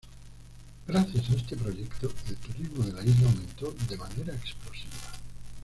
Gracias a este proyecto, el turismo de la isla aumentó de manera explosiva.